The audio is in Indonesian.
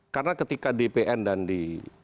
karena ketika dpn dan di